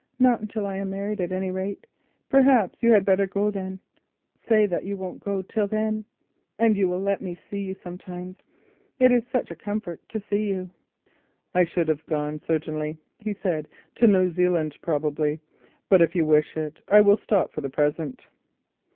Not until I am married at any rate; perhaps you had better go then. Say that you won't go till then, and you will let me see you sometimes; it is a comfort to see you." "I should have gone, certainly," he said; "to New Zealand probably, but if you wish it I will stop for the present."